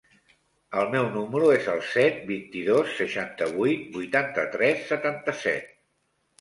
El meu número es el set, vint-i-dos, seixanta-vuit, vuitanta-tres, setanta-set.